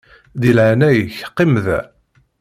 Di leɛnaya-k qqim da.